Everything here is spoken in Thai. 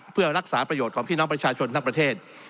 เพื่อรักษาประโยชน์ของพี่น้องประชาชนทั้งประเทศ